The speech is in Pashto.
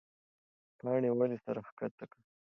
پاڼې ولې سر ښکته کړ؟